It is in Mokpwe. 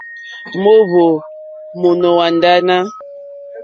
Moohvò mo nò ànànà.